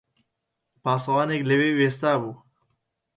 پاسەوانێک لەوێ وێستابوو